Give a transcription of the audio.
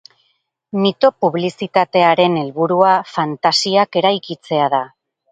Mito-publizitatearen helburua, fantasiak eraikitzea da.